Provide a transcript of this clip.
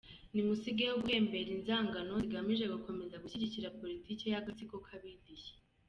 Ni musigeho guhembera inzangano, zigamije gukomeza gushyigikira politike y’agatsiko k’abidishyi.